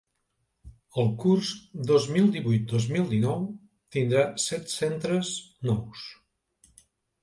El curs dos mil divuit-dos mil dinou tindrà set centres nous.